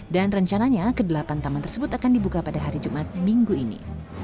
dan rencananya ke delapan taman tersebut akan dibuka pada hari jumat minggu ini